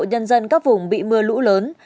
nhân dân các vùng bị mưa lũ lớn